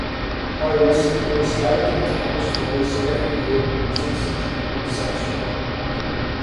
"Pro Wrestling Illustrated" has published the list every year since its inception.